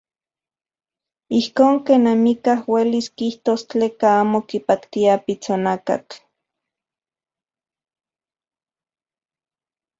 Ijkon ken amikaj uelis kijtos tleka amo kipaktia pitsonakatl.